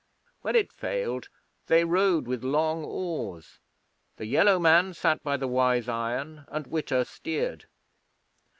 When it failed, they rowed with long oars; the Yellow Man sat by the Wise Iron, and Witta steered.